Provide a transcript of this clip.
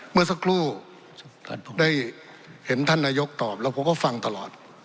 เมื่อสักครู่ได้เห็นท่านนายกตอบแล้วผมก็ฟังตลอด